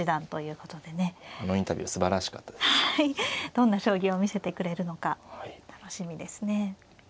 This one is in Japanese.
どんな将棋を見せてくれるのか楽しみですね。